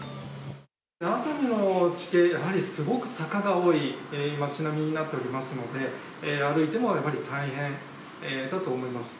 熱海の地形って、やはりすごく坂が多い街並みになっておりますので、歩いてもやはり大変だと思います。